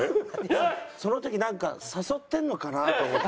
その時なんか誘ってんのかな？と思って。